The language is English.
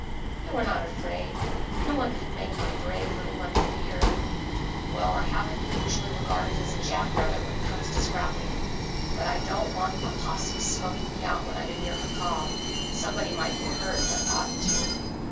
"You are not afraid—no one could make my brave little one fear." "Well, I haven't been usually regarded as a jack rabbit when it comes to scrapping; but I don't want a posse smoking me out when I'm in your jacal. Somebody might get hurt that oughtn't to."